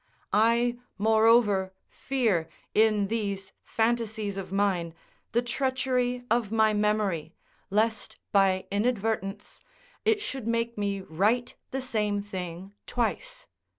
I, moreover, fear, in these fantasies of mine, the treachery of my memory, lest, by inadvertence, it should make me write the same thing twice.